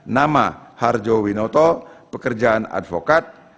nama harjo winoto pekerjaan advokat